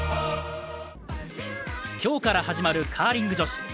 今日から始まるカーリング女子。